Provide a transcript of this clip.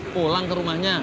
pulang ke rumahnya